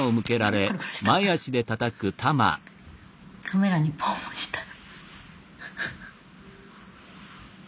カメラにポンをした。